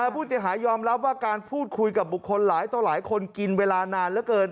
ผู้เสียหายยอมรับว่าการพูดคุยกับบุคคลหลายต่อหลายคนกินเวลานานเหลือเกิน